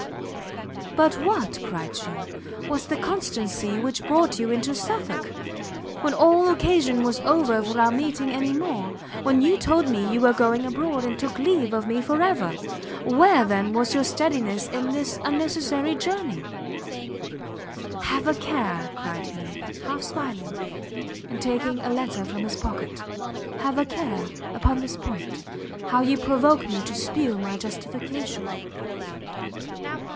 "But what," cried she, "was the constancy which brought you into Suffolk? When all occasion was over for our meeting any more, when you told me you were going abroad, and took leave of me for ever, where, then, was your steadiness in this unnecessary journey?" "Have a care," cried he, half smiling, and taking a letter from his pocket, "have a care, upon this point, how you provoke me to spew my justification!"